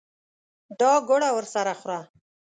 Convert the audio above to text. دا ګوړه ورسره خوره.